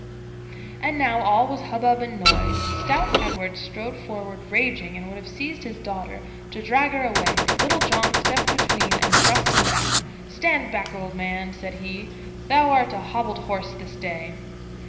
And now all was hubbub and noise. Stout Edward strode forward raging, and would have seized his daughter to drag her away, but Little John stepped between and thrust him back. "Stand back, old man," said he, "thou art a hobbled horse this day."